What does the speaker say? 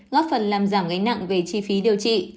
góp phần làm giảm gánh nặng về chi phí điều trị